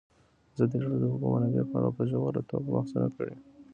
ازادي راډیو د د اوبو منابع په اړه په ژوره توګه بحثونه کړي.